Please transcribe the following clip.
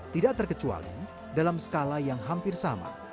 tidak terkecuali dalam skala yang hampir sama